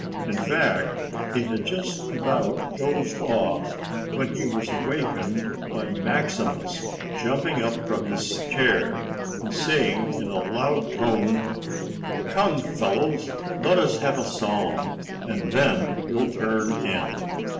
In fact, he had just about dozed off, when he was awakened by Maximus jumping up from his chair, and saying in a loud tone,— "Come, fellows, let us have a song, and then we'll turn in."